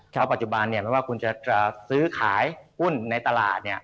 เพราะปัจจุบันไม่ว่าคุณจะซื้อขายหุ้นในตลาด